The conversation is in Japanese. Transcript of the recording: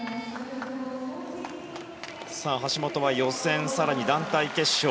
橋本は予選更に団体決勝